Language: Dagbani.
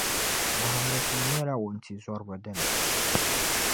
Bahindisuŋ nyɛla wuntizɔriba dini.